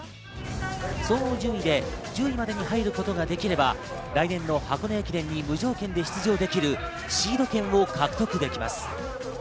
総合順位で１０位までに入ることができれば来年の箱根駅伝に無条件で出場できるシード権を獲得できます。